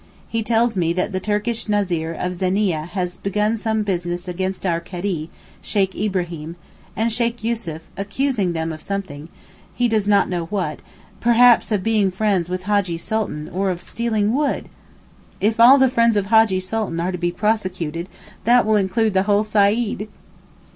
He tells me that the Turkish Názir of Zeneea has begun some business against our Kadee, Sheykh Ibraheem, and Sheykh Yussuf, accused them of something—he does not know what—perhaps of being friends of Hajjee Sultan, or of stealing wood!! If all the friends of Hajjee Sultan are to be prosecuted that will include the whole Saeed.